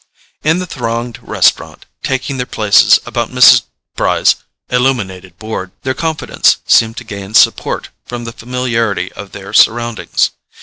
In the thronged restaurant, taking their places about Mrs. Bry's illuminated board, their confidence seemed to gain support from the familiarity of their surroundings.